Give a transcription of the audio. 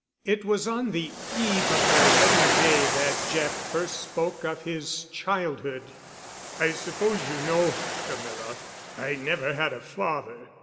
It was on the eve of their wedding day that Jeff first spoke of his childhood. "I suppose you know, Camilla, I never had a father.